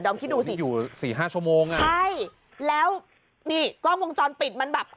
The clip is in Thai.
คิดดูสิอยู่สี่ห้าชั่วโมงอ่ะใช่แล้วนี่กล้องวงจรปิดมันแบบ